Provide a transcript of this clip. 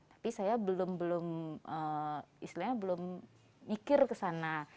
tapi saya belum mikir ke sana